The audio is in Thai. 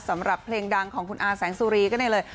สำหรับเพลงดังของคุณอาแสงสุรีก็นี่เลย